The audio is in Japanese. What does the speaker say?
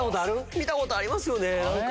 見たことありますよね。